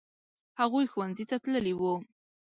هغوی ښوونځي ته تللي وو.